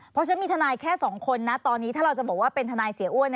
เพราะฉันมีทนายแค่๒คนนะตอนนี้ถ้าเราจะบอกว่าเป็นทนายเสียอ้วน